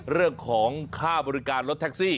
เรื่องของค่าบริการรถแท็กซี่